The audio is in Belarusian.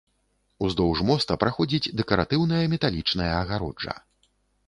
Уздоўж моста праходзіць дэкаратыўная металічная агароджа.